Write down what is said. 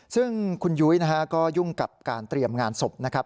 ซึ่งคุณยุ้ยนะฮะก็ยุ่งกับการเตรียมงานศพนะครับ